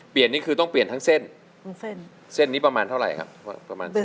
เปลี่ยนนี่คือต้องเปลี่ยนทั้งเส้นเส้นนี้ประมาณเท่าไหร่ครับ